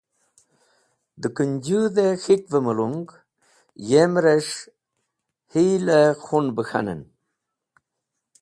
Dẽ Kũnjũdh-e K̃hikv-e mulung, yem’res̃h hel-e khun be k̃hanen.